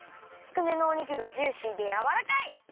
つくねのお肉がジューシーでやわらかい！